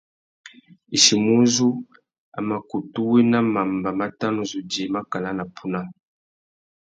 Ichimuzú, a mà kutu wena mamba má tà nu zu djï makana na puna.